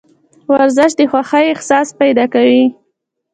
ورزش د خوښې احساس پیدا کوي.